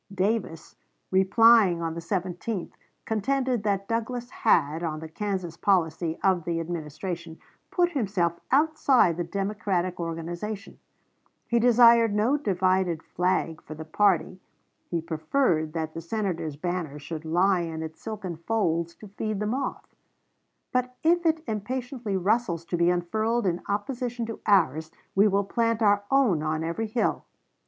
Davis, replying on the 17th, contended that Douglas had, on the Kansas policy of the Administration, put himself outside the Democratic organization. He desired no divided flag for the party. He preferred that the Senator's banner should lie in its silken folds to feed the moth; "but if it impatiently rustles to be unfurled in opposition to ours, we will plant our own on every hill."